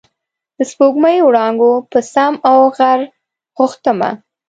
د سپوږمۍ وړانګو په سم او غر غوښتمه